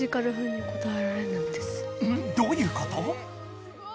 どういうこと？